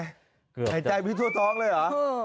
หายใจพี่ทั่วท้องเลยเหรอ